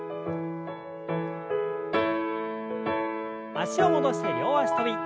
脚を戻して両脚跳び。